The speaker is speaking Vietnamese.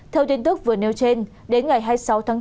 theo tin tức vừa nêu trên đến ngày hai mươi sáu tháng bốn